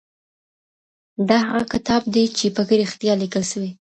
دا هغه کتاب دی چي په کي رښتیا لیکل سوي.